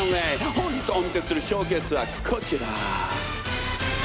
本日お見せするショーケースはこちら。